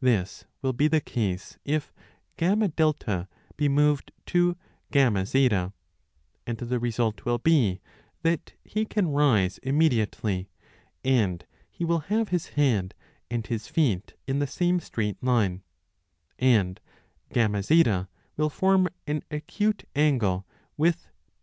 This will be the case if FA be moved to FZ, and the result will be that he can rise immediately, and he will have his head and his feet in 858 the same straight line ; 1 and FZ will form an acute angle with BF.